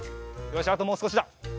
よしあともうすこしだ。